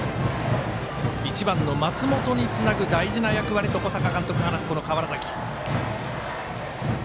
１番の松本につなぐ大事な役割と小坂監督が話す川原崎。